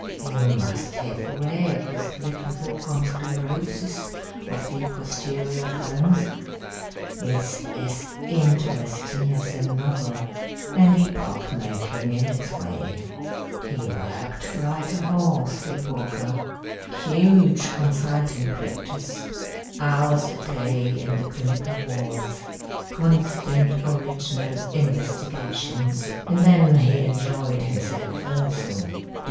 You must have read his little book on sclerosis of the posterior columns. It's as interesting as a novel, and epoch making in its way. He worked like a horse, did Walker huge consulting practice hours a day in the clinical wards constant original investigations. And then he enjoyed himself also.